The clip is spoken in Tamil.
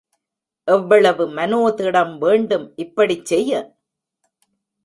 எவ்வளவு மனோதிடம் வேண்டும் இப்படிச் செய்ய?